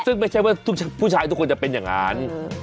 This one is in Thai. ซึ่งไม่ใช่ว่าผู้ชายทุกคนจะเป็นอย่างนั้น